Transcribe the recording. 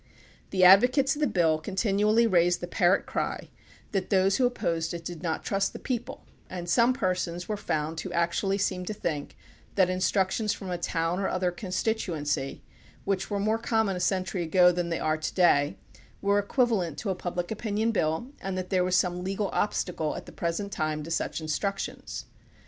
The advocates of the bill continually raised the 10 THE PUBLIC OPINION BILL parrot cry that those who opposed it did not trust the people, and some persons were found who actually seemed to think that instructions from a town or other constituency, which were more common a century ago than they are to day, were equivalent to a Public Opin ion Bill and that there was some legal obstacle at the present time to such instructions.